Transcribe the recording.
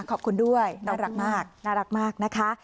ขอบคุณด้วยน่ารักมาก